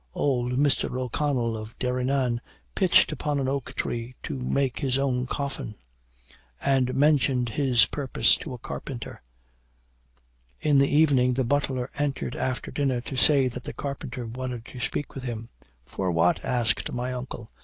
Old Mr. O'Connell of Derrynane, pitched upon an oak tree to make his own coffin, and mentioned his purpose to a carpenter. In the evening, the butler entered after dinner to say that the carpenter wanted to speak with him. 'For what?' asked my uncle.